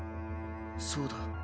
そうだ。